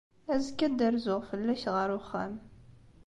Azekka, ad d-rzuɣ fell-ak ɣer uxxam.